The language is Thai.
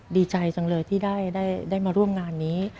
ดีใจจังเลยที่ได้มาร่วมงานนี้